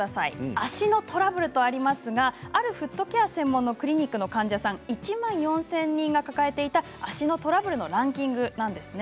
足のトラブルとありますがあるフットケア専門のクリニックの患者さん１万４０００人が抱えていた足のトラブルのランキングなんです。